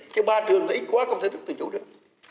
chứ ba trường ít quá không thể tự chủ được